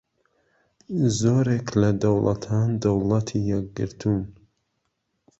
زۆرێک لە دەوڵەتان دەوڵەتی یەکگرتوون